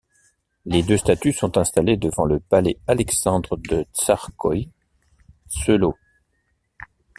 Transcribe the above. Les deux statues sont installées devant le palais Alexandre de Tsarskoïe Selo.